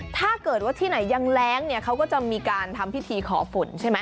ถ้าเกิดว่าที่ไหนยังแร้งเนี่ยเขาก็จะมีการทำพิธีขอฝุ่นใช่ไหม